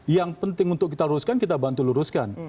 yang penting untuk kita luruskan kita bantu luruskan